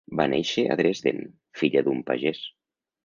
Va néixer a Dresden, filla d'un pagès.